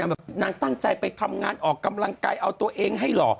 แบบนางตั้งใจไปทำงานออกกำลังกายเอาตัวเองให้หล่อ